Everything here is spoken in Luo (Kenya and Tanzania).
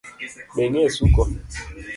Be ingeyo suko?